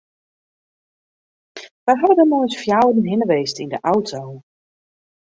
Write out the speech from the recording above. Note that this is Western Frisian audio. We hawwe dêr mei ús fjouweren hinne west yn de auto.